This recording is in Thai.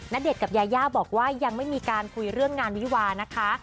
ณเดชน์กับยาย่าบอกว่ายังไม่มีการคุยเรื่องงานวิวานะคะ